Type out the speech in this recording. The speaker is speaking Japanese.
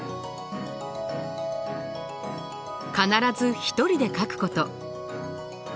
必ず一人で描くこと。